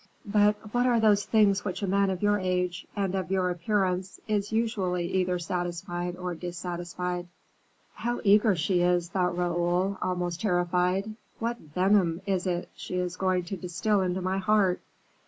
"But what are those things with which a man of your age, and of your appearance, is usually either satisfied or dissatisfied?" "How eager she is," thought Raoul, almost terrified; "what venom is it she is going to distil into my heart?"